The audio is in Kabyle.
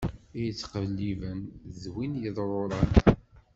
I yettqelliben, d win iḍṛuṛan.